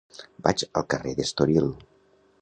Vaig al carrer d'Estoril.